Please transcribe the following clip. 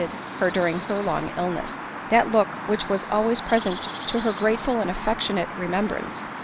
51 ed her during her long illness ; that look which was always present to her grateful and affectionate remem brance.